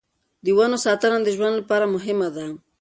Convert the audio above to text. د ونو ساتنه د ژوند لپاره مهمه ده.